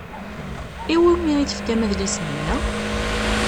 I wumi i tefkam adlis-nni?